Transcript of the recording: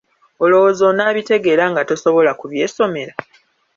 Olowooza onaabitegeera nga tosobola kubyesomera?